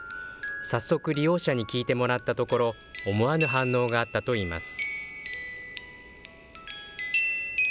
早速、利用者にきいてもらったところ、思わぬ反応があったといいます。